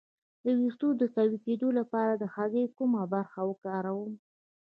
د ویښتو د قوي کیدو لپاره د هګۍ کومه برخه وکاروم؟